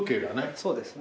そうですね。